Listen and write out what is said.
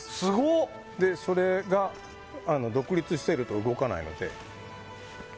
それが独立していると動かないので。